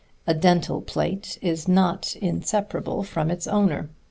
A dental plate is not inseparable from its owner.